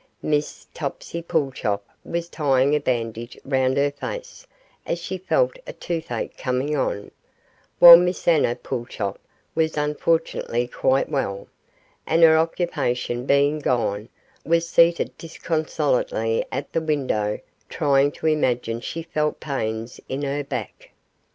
Miss Topsy Pulchop was tying a bandage round her face, as she felt a toothache coming on, while Miss Anna Pulchop was unfortunately quite well, and her occupation being gone, was seated disconsolately at the window trying to imagine she felt pains in her back.